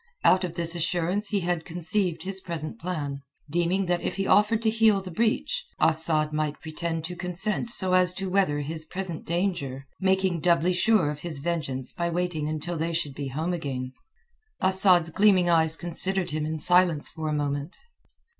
Out of this assurance had he conceived his present plan, deeming that if he offered to heal the breach, Asad might pretend to consent so as to weather his present danger, making doubly sure of his vengeance by waiting until they should be home again. Asad's gleaming eyes considered him in silence for a moment.